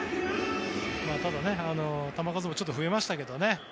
ただ、球数もちょっと増えましたけどね。